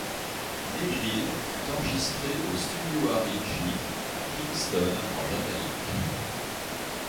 Negril fut enregistré au Studio Harry J à Kingston en Jamaïque.